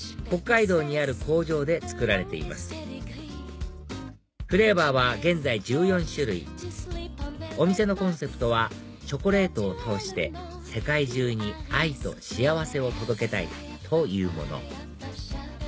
北海道にある工場で作られていますフレーバーは現在１４種類お店のコンセプトは「チョコレートを通して世界中に愛と幸せを届けたい」というもの